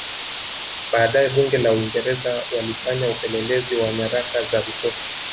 Baadae Bunge la Uingereza walifanya upelelezi wa nyaraka za vikosi